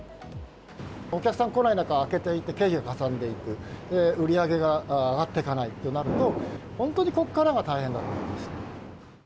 お客さん来ない中、開けていて経費がかさんでいく、売り上げが上がっていかないとなると、本当にここからが大変だと思うんです。